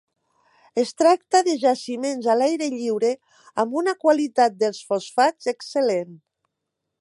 Es tracta de jaciments a l'aire lliure amb una qualitat dels fosfats excel·lent.